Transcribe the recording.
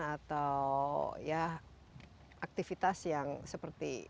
atau ya aktivitas yang seperti